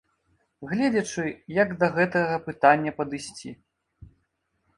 Гледзячы, як да гэтага пытання падысці.